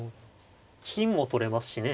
金を取れますしね。